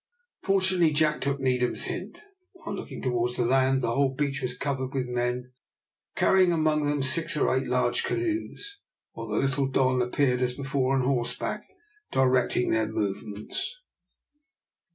Fortunately Jack took Needham's hint. On looking towards the land the whole beach was covered with men carrying among them six or eight large canoes, while the little Don appeared as before on horseback, directing their movements.